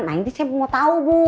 nah ini saya mau tahu bu